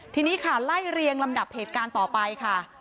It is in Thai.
ทีนี้ค่ะไล่เรียงลำดับเหตุการณ์ต่อไปค่ะ